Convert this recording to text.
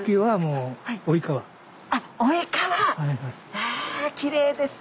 うわきれいです。